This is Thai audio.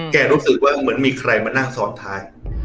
แกรู้สึกว่ามีใครมานั่งซ้อนถ่าย